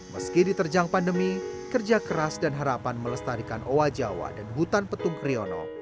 meski diterjang pandemi kerja keras dan harapan melestarikan owa jawa dan hutan petung kriono